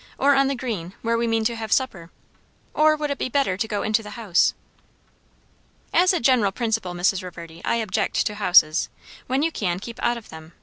or on the green, where we mean to have supper? or would it be better to go into the house?" "As a general principle, Mrs. Reverdy, I object to houses. When you can, keep out of them.